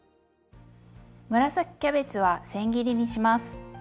紫キャベツはせん切りにします。